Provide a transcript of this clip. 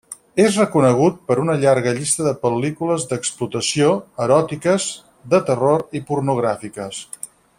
És reconegut per una llarga llista de pel·lícules d'explotació, eròtiques, de terror i pornogràfiques.